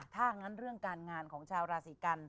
ถ้างั้นเรื่องการงานของชาวราศีกัน